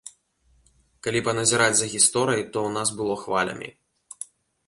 Калі паназіраць за гісторыяй, то ў нас было хвалямі.